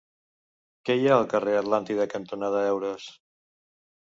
Què hi ha al carrer Atlàntida cantonada Heures?